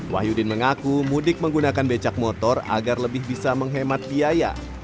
wahyudin mengaku mudik menggunakan becak motor agar lebih bisa menghemat biaya